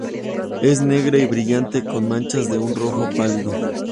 Es negra y brillante, con manchas de un rojo pálido.